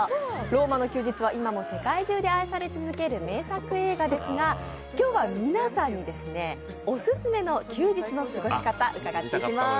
「ローマの休日」は今も世界中で愛され続ける名作映画ですが、今日は皆さんにオススメの休日の過ごし方伺っていきます。